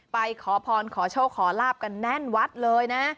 ขอพรขอโชคขอลาบกันแน่นวัดเลยนะ